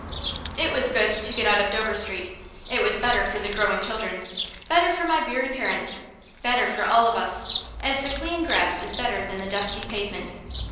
It was good to get out of Dover Street it was better for the growing children, better for my weary parents, better for all of us, as the clean grass is better than the dusty pavement.